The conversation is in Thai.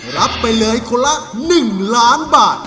รับไปเลยคนละ๑ล้านบาท